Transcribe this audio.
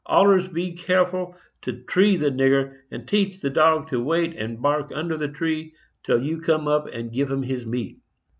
Allers be carful to tree the nigger, and teach the dog to wait and bark under the tree till you come up and give him his meat.